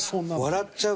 笑っちゃうのよ。